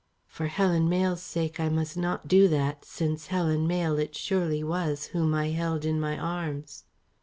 For Helen Mayle's sake I must not do that, since Helen Mayle it surely was whom I held in my arms.